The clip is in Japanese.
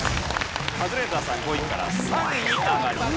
カズレーザーさん５位から３位に上がります。